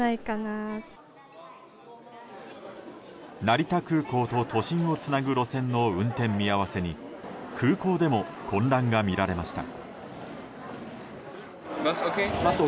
成田空港と都心をつなぐ路線の運転見合わせに空港でも混乱が見られました。